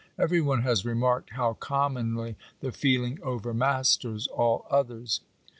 Every one has remarked how commonly the feeling overmasters all others.